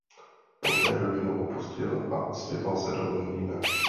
Poté rodinu opustil a odstěhoval se do Londýna.